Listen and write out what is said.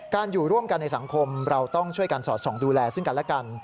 อยู่ร่วมกันในสังคมเราต้องช่วยกันสอดส่องดูแลซึ่งกันและกัน